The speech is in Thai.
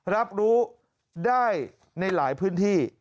รับรู้ได้ในหลายพื้นที่